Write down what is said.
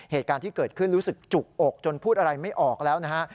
เหตุการณ์ที่เกิดขึ้นรู้สึกจุกอกจนพูดอะไรไม่ออกแล้วนะฮะ